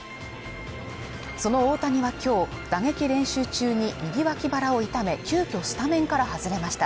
その大谷は今日打撃練習中に右脇腹を痛め急きょスタメンから外れました